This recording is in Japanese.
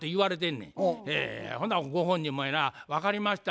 ほなご本人もやな「分かりました。